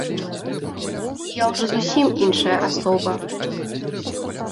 І я ўжо зусім іншая асоба.